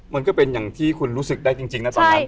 มันก็เป็นอย่างที่คุณรู้สึกได้จริงนะตอนนั้น